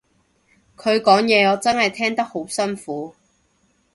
佢講嘢我真係聽得好辛苦